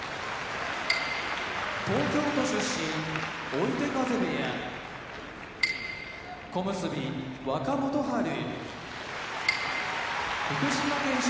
東京都出身追手風部屋小結・若元春福島県出身